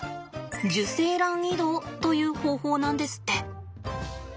受精卵移動という方法なんですって。